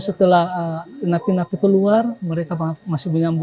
setelah naki naki keluar mereka masih ada hubungan itu